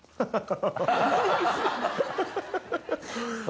ハハハ。笑